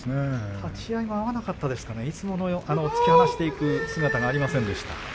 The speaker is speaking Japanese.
立ち合いが合わなかったですかね、いつもの突き放していく姿がありませんでした。